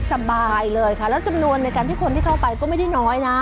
สบายเลยค่ะแล้วจำนวนในการที่คนที่เข้าไปก็ไม่ได้น้อยนะ